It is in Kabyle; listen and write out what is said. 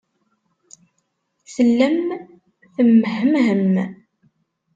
Tellam temmehmhem.